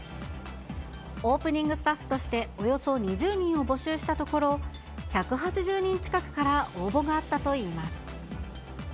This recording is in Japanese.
オープニングスタッフとしておよそ２０人を募集したところ、１８０人近くから応募があったといいます。